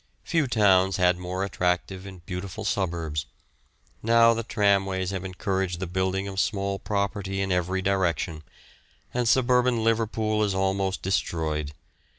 Few towns had more attractive and beautiful suburbs; now the tramways have encouraged the building of small property in every direction, and suburban Liverpool is almost destroyed.